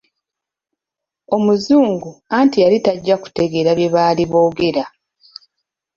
Omuzungu, anti yali tajja kutegeera bye baali boogera.